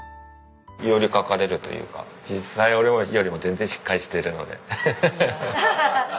寄りかかれるというか実際俺よりも全然しっかりしてるので。